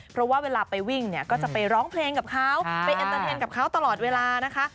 เพราะว่าเวลาไปวิ่งเนี่ยก็จะไปร้องเพลงกับเขาไปเอ็นเตอร์เทนกับเขาตลอดเวลานะคะ